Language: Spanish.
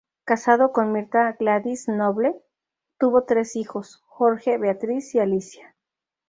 Casado con Mirta Gladys Noble, tuvo tres hijos: Jorge, Beatriz y Alicia.